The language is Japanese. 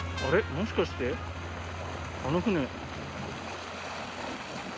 もしかしてあの船。